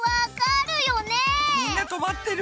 みんな止まってる。